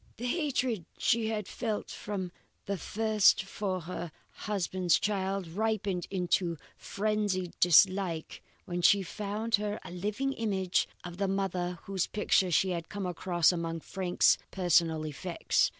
The hatred she had felt from the first for her husband's child ripened into frenzied dislike when she found her a living image of the mother whose picture she had come across among Frank's personal effects.